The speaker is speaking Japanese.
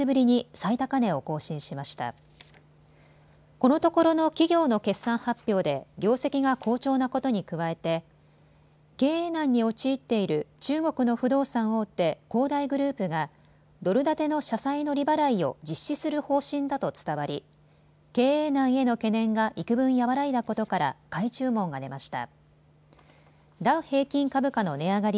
このところの企業の決算発表で業績が好調なことに加えて経営難に陥っている中国の不動産大手、恒大グループがドル建ての社債の利払いを実施する方針だと伝わり経営難への懸念がいくぶん和らいだことから買い注文が出ました。